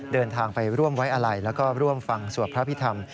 เดินทางไปร่วมไว้อาลัยแล้วก็ร่วมฟังสวดพระพิธรรม